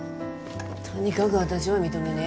とにかく私は認めね。